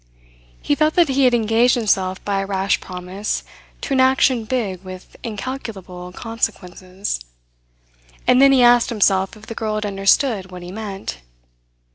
He felt that he had engaged himself by a rash promise to an action big with incalculable consequences. And then he asked himself if the girl had understood what he meant.